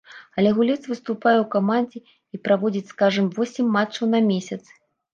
Але гулец выступае ў камандзе і праводзіць, скажам, восем матчаў на месяц.